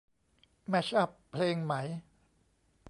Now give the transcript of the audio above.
แมชอัปเพลงไหม